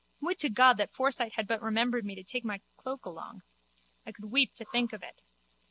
Would to God that foresight had but remembered me to take my cloak along! I could weep to think of it.